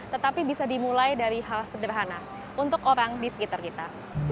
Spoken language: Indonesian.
tetapi bisa dimulai dari hal sederhana untuk orang di sekitar kita